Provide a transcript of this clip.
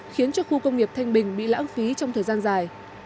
khiến cho khu công nghiệp thanh bình bị lãng phí trong thời gian dài